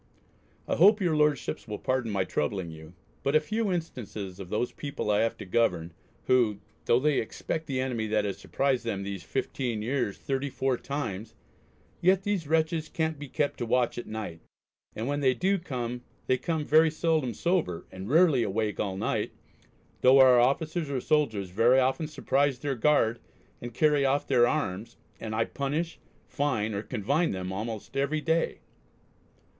I hope your Lordships will pardon my troubling you, but a few instances of those people I have to govern, who, though they expect the enemy that has surprised them these fifteen years thirty four times, yet these wre(t)ches can't be kept to watch at night, and when they do they come very seldom sober, and rarely awake all night, though our officers or soldiers very often surprise their guard and carry off their arms, and I punish, fine, or confine them almost every day.